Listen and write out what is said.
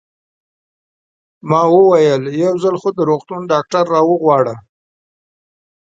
ما وویل: یو ځل خو د روغتون ډاکټر را وغواړه.